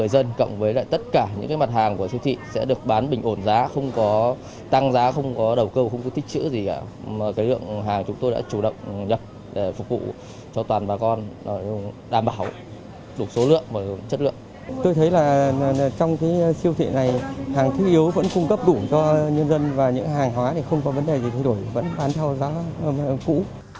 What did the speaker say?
tôi thấy trong siêu thị này hàng thiếu yếu vẫn cung cấp đủ cho nhân dân và những hàng hóa không có vấn đề gì thay đổi vẫn bán theo giá cũ